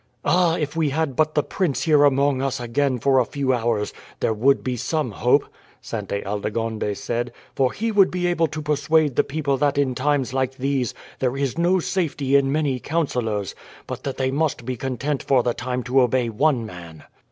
"Ah, if we had but the prince here among us again for a few hours there would be some hope," Sainte Aldegonde said; "for he would be able to persuade the people that in times like these there is no safety in many counsellors, but that they must be content for the time to obey one man."